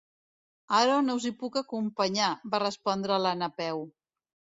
Ara no us hi puc acompanyar —va respondre la Napeu—.